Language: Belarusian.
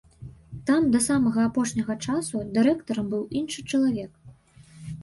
Там да самага апошняга часу дырэктарам быў іншы чалавек.